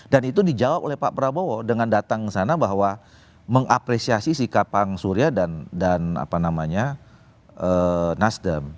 dan itu dijawab oleh pak prabowo dengan datang ke sana bahwa mengapresiasi sikap pak surya dan nasdem